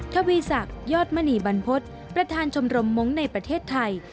ทวีศักดิ์ยอดมณีบรรพฤษประธานชมรมมงค์ในประเทศไทย